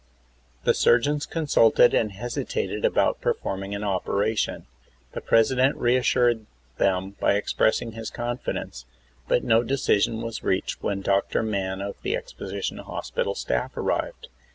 The surgeons consulted and hesitated about performing an operation. The President reassured them by expiressing his confidence, but no decision was reached when Dr. Mann of the exposition hospital staff arrived.